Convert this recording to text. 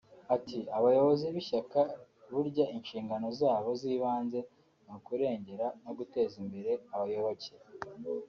Ati “ Abayobozi b’ishyaka burya inshingano zabo z’ibanze ni ukurengera no guteza imbere abayoboke[…]